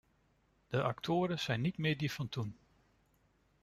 De actoren zijn niet meer die van toen.